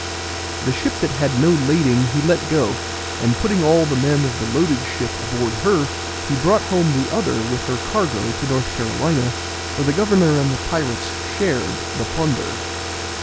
The ship that had no lading he let go, and putting all the men of the loaded ship aboard her, he brought home the other with her cargo to North Carolina, where the governor and the pirates shared the plunder.